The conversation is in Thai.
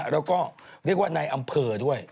แล้วก็เรียกว่าในอำเภอด้วย